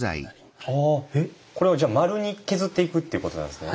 これをじゃあ丸に削っていくっていうことなんですね。